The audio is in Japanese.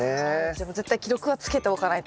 じゃもう絶対記録はつけておかないと。